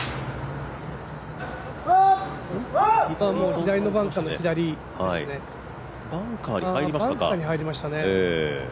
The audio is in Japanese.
左のバンカーの左バンカーに入りましたね。